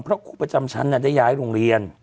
เพราะครูประจำชั้นได้ย้ายโรงเรียน